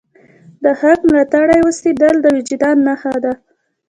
د حق ملاتړی اوسیدل د وجدان نښه ده.